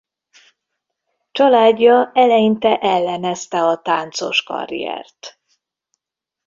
Családja eleinte ellenezte a táncos karriert.